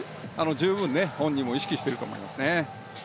十分、本人も意識していると思います。